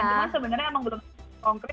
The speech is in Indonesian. cuman sebenarnya emang belum konkrit